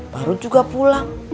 baru juga pulang